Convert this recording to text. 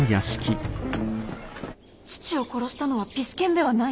父を殺したのはピス健ではない？